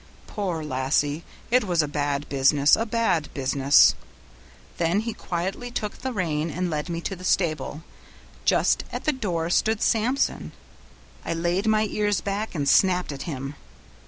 'Poor lassie! it was a bad business, a bad business;' then he quietly took the rein and led me to the stable; just at the door stood Samson. I laid my ears back and snapped at him.